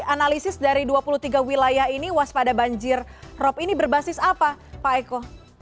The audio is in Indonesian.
analisis dari dua puluh tiga wilayah ini waspada banjir rob ini berbasis apa pak eko